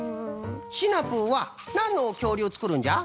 シナプーはなんのきょうりゅうをつくるんじゃ？